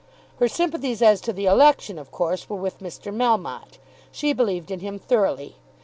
Her sympathies as to the election of course were with Mr. Melmotte. She believed in him thoroughly.